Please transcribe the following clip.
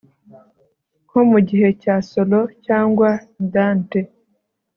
Nko mu gihe cya solo cyangwa Dante